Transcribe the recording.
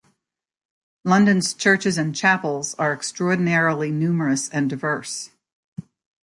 London's churches and chapels are extraordinarily numerous and diverse.